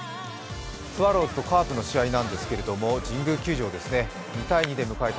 スワローズとカープの試合なんですけれども、神宮球場ですね、２−２で迎えた